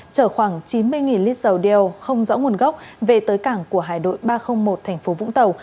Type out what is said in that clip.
chở khoảng chín mươi lít dầu đeo không rõ nguồn gốc về tới cảng của hải đội ba trăm linh một thành phố vũng tàu